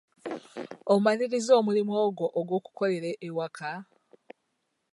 Omaliriza omulimu ogwo ogw'okukolera ewaka?